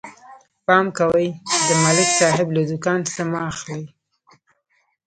پام کوئ، د ملک صاحب له دوکان څه مه اخلئ.